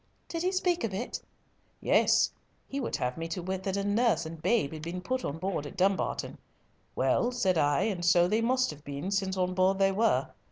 "Did he speak of it?" "Yes. He would have me to wit that a nurse and babe had been put on board at Dumbarton. Well, said I, and so they must have been, since on board they were.